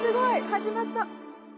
始まった。